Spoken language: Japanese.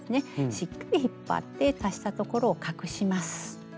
しっかり引っ張って足したところを隠します。